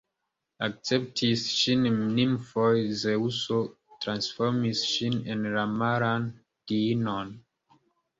Akceptis ŝin nimfoj, Zeŭso transformis ŝin en la maran diinon.